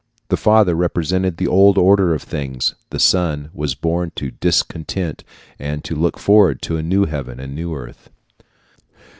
The father represented the old order of things; the son was born to discontent and to look forward to a new heaven and a new earth.